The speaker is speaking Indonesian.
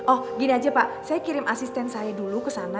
oh gini aja pak saya kirim asisten saya dulu ke sana